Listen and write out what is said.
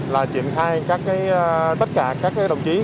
là triển khai tất cả các đồng chí